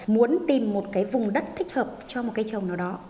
muốn tìm một cái vùng đất thích hợp cho một cây trồng nào đó